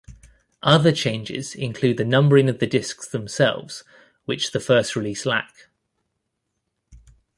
Other changes include the numbering of the discs themselves, which the first release lack.